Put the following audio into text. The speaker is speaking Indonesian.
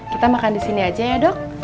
kita makan disini aja ya dok